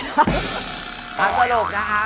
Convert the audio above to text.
สำหรับสมบูรณ์นะคะ